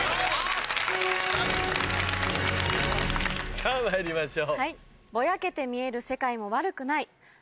さぁまいりましょう。